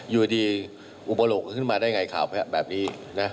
อยู่ดีอุปโลกขึ้นมาได้ไงข่าวแบบนี้นะ